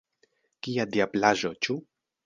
Kia diablaĵo, ĉu?